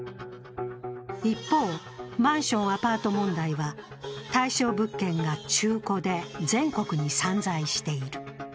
一方、マンション・アパート問題は対象物件が中古で全国に散在している。